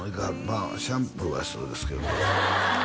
あシャンプーは必要ですけどね